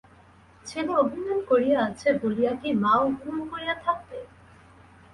ছেলে অভিমান করিয়া আছে বলিয়া কি মাও অভিমান করিয়া থাকিবে।